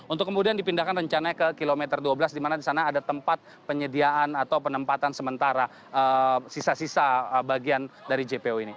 untuk kemudian dipindahkan rencananya ke kilometer dua belas di mana di sana ada tempat penyediaan atau penempatan sementara sisa sisa bagian dari jpo ini